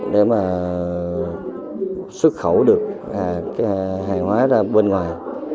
để mà xuất khẩu được hàng hóa ra bên ngoài